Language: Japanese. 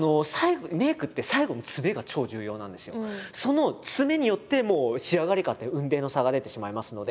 その詰めによってもう仕上がり感って雲泥の差が出てしまいますので。